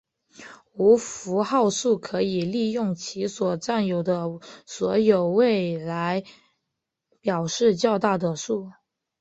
无符号数可以利用其所占有的所有位来表示较大的数。